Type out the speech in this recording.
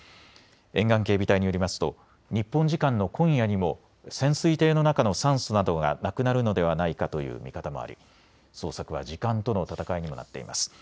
沿岸警備隊によりますと日本時間の今夜にも潜水艇の中の酸素などがなくなるのではないかという見方もあり捜索は時間との闘いにもなっています。